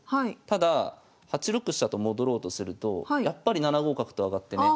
ただ８六飛車と戻ろうとするとやっぱり７五角と上がってね。